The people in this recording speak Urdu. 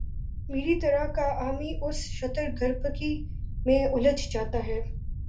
میری طرح کا عامی اس شتر گربگی میں الجھ جاتا ہے۔